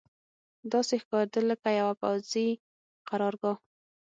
داسې ښکارېدل لکه یوه پوځي قرارګاه.